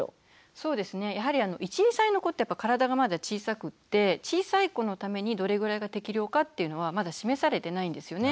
そうですねやはり１２歳の子って体がまだ小さくって小さい子のためにどれぐらいが適量かっていうのはまだ示されてないんですよね。